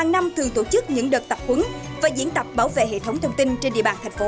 đúng rồi đúng rồi